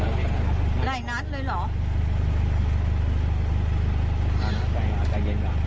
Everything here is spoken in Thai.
ไหลนัดเลยหรอ